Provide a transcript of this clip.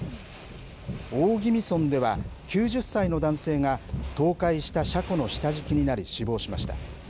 大宜味村では、９０歳の男性が、倒壊した車庫の下敷きになり、死亡しました。